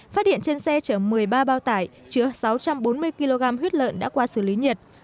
phát hiện trên xe chở một mươi ba bao tải chứa sáu trăm bốn mươi kg huyết lợn đã qua xử lý nhiệt